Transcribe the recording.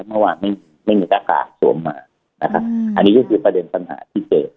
เมื่อวานไม่มีไม่มีหน้ากากสวมมาอ่าอันนี้ก็คือประเด็นสันหาที่เจก